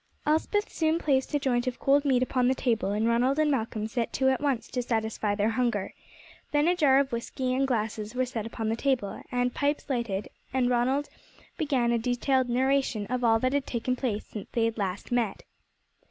Elspeth soon placed a joint of cold meat upon the table, and Ronald and Malcolm set to at once to satisfy their hunger. Then a jar of whiskey and glasses were set upon the table, and pipes lighted, and Ronald began a detailed narration of all that had taken place since they had last met.